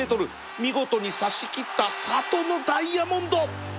見事に差し切ったサトノダイヤモンド